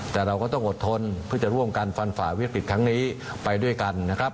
แต่เราก็ต้องอดทนเพื่อจะร่วมกันฟันฝ่าวิทยาลัยกริจทั้งนี้ไปด้วยกัน